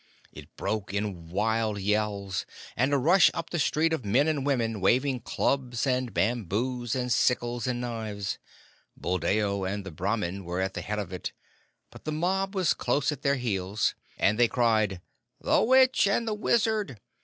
It broke in wild yells, and a rush up the street of men and women, waving clubs and bamboos and sickles and knives. Buldeo and the Brahmin were at the head of it, but the mob was close at their heels, and they cried, "The witch and the wizard!